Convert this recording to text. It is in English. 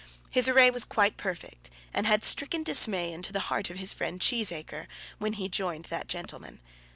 His array was quite perfect, and had stricken dismay into the heart of his friend Cheesacre, when he joined that gentleman.